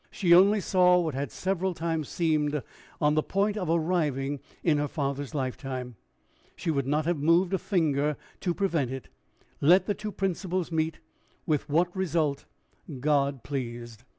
She only saw what had several times seemed on the point of arriving in her father's lifetime. She would not have moved a finger to prevent it. Let the two principles meet, with what result God pleased!